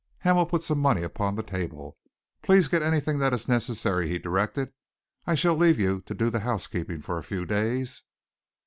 Hamel put some money upon the table. "Please get anything that is necessary," he directed. "I shall leave you to do the housekeeping for a few days."